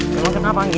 kamu kenapa anggi